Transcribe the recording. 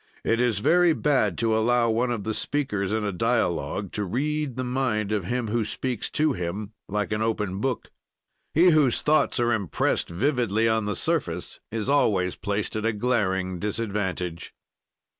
"It is very bad to allow one of the speakers in a dialog to read the mind of him who speaks to him like an open book. "He whose thoughts are imprest vividly on the surface is always placed at a glaring disadvantage.